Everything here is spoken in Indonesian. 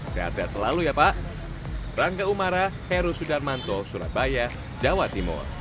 sehat sehat selalu ya pak